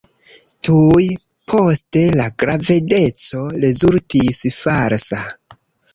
Tuj poste, la gravedeco rezultis falsa.